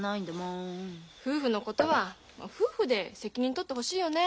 夫婦のことは夫婦で責任取ってほしいよねえ。